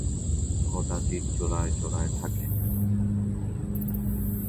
কদাচিৎ জোড়ায় জোড়ায় থাকে।